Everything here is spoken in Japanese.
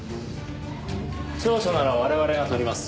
調書なら我々が取ります。